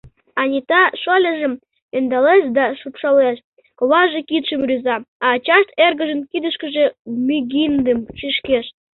Анита шольыжым ӧндалеш да шупшалеш, коваже кидшым рӱза, а ачашт эргыжын кидышкыже мӱгиндым шӱшкеш.